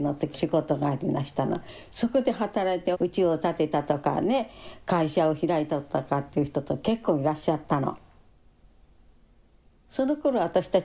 そこで働いてうちを建てたとかね会社を開いたとかっていう人って結構いらっしゃったの。